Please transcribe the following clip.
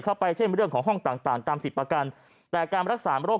เข้าไปเช่นเรื่องของห้องต่างต่างตามสิทธิ์ประกันแต่การรักษาโรค